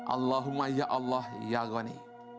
allahumma ya allah ya ghani